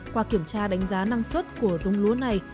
qua kiểm tra đánh giá năng suất của giống lúa này